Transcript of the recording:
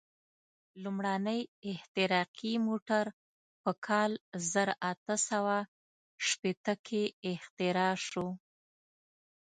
لومړنی احتراقي موټر په کال زر اته سوه شپېته کې اختراع شو.